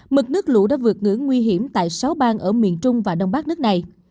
mực nước lũ đã vượt ngưỡng nguy hiểm tại sáu bang ở miền trung và đông bắc nước này